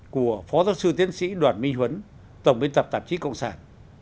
của phó giáo sư tiến sĩ đoàn minh huấn tổng biên tập tạp chí cộng sản